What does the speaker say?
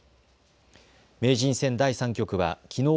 名人戦第３局はきのう